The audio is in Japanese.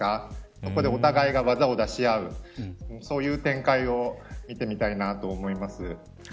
そこでお互いが技を出し合うそういう展開を見てみてみたいなと思います。